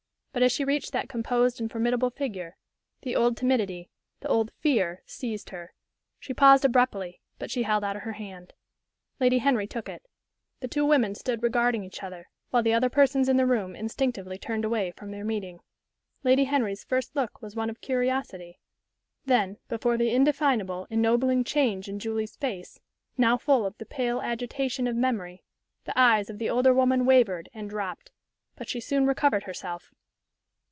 But as she reached that composed and formidable figure, the old timidity, the old fear, seized her. She paused abruptly, but she held out her hand. Lady Henry took it. The two women stood regarding each other, while the other persons in the room instinctively turned away from their meeting. Lady Henry's first look was one of curiosity. Then, before the indefinable, ennobling change in Julie's face, now full of the pale agitation of memory, the eyes of the older woman wavered and dropped. But she soon recovered herself.